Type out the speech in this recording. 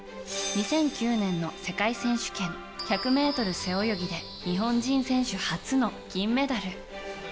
２００９年の世界選手権１００ｍ背泳ぎで日本人選手初の金メダル。